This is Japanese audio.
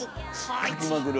書きまくる。